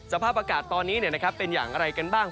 สภาพประกาศตอนนี้เนี่ยนะครับเป็นอย่างอะไรกันบ้าง